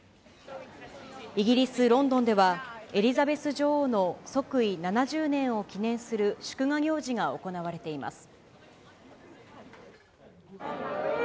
イギリス・ロンドンでは、エリザベス女王の即位７０年を記念する祝賀行事が行われています。